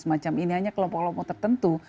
semacam ini hanya kelompok kelompok tertentu